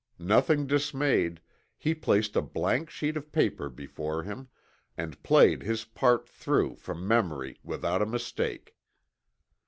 Nothing dismayed, he placed a blank sheet of paper before him, and played his part through from memory without a mistake.